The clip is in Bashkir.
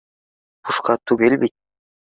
Бушҡа түгел бит